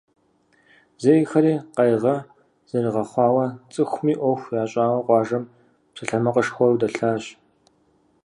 Зейхэри къайгъэ зэрыгъэхъуауэ, цӏыхуми ӏуэху ящӏауэ къуажэм псалъэмакъышхуэу дэлъащ.